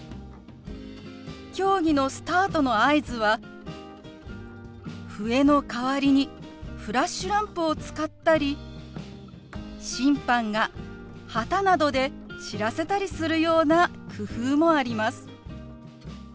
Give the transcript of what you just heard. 競技のスタートの合図は笛の代わりにフラッシュランプを使ったり審判が旗などで知らせたりするような工夫もあります。